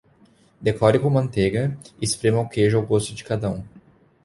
Decore com manteiga e esprema o queijo ao gosto de cada um.